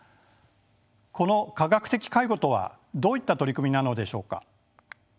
この科学的介護とはどういった取り組みなのでしょうか。